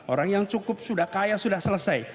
orang yang cukup sudah kaya sudah selesai